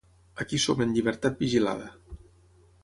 Aquí som en llibertat vigilada.